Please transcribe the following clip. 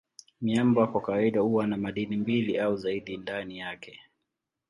Miamba kwa kawaida huwa na madini mbili au zaidi ndani yake.